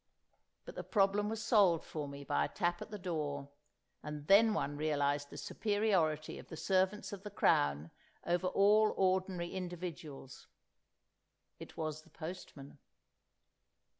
But the problem was solved for me by a tap at the door, and then one realised the superiority of the servants of the Crown over all ordinary individuals. It was the postman.